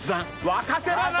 若手だな！